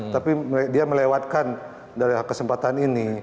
tapi dia melewatkan dari kesempatan ini